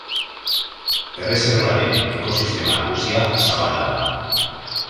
Erreserbaren ekosistema nagusia sabana da.